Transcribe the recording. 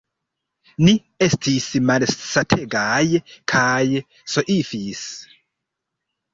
Ni estis malsategaj kaj soifis.